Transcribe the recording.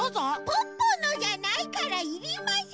ポッポのじゃないからいりません！